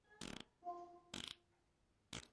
日南响子是日本女性写真偶像及女演员。